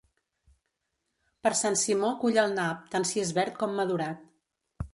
Per Sant Simó, cull el nap, tant si és verd com madurat.